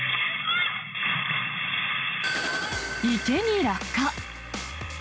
池に落下。